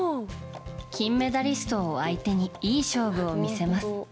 金メダリストを相手にいい勝負を見せます。